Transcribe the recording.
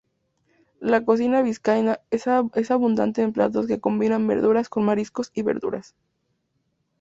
La cocina vizcaína es abundante en platos que combinan verduras con mariscos o verduras.